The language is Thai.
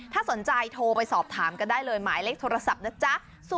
ถ้าสนใจโทรไปสอบถามกันได้เลยหมายเลขโทรศัพท์นะจ๊ะ